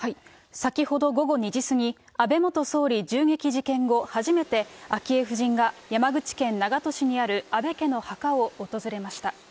先ほど午後２時過ぎ、安倍元総理銃撃事件後、初めて昭恵夫人が山口県長門市にある安倍家の墓を訪れました。